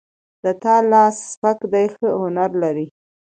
د تا لاس سپک ده ښه هنر لري